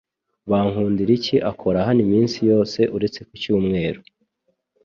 Bankundiriki akora hano iminsi yose uretse ku cyumweru .